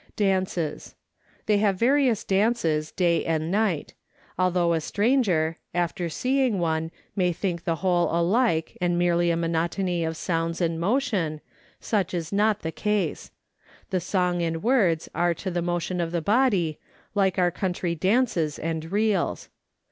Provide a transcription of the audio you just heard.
Dances. They have various kinds, day and night. Although a stranger, after seeing one, may think the whole alike and merely a monotony of sounds and motion, such is not the case ; the song and words are to the motion of the body, like our country dances and reels.